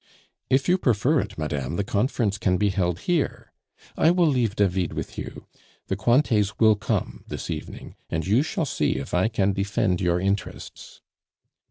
"If you prefer it, madame, the conference can be held here. I will leave David with you. The Cointets will come this evening, and you shall see if I can defend your interests."